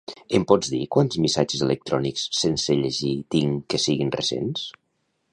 Em pots dir quants missatges electrònics sense llegir tinc que siguin recents?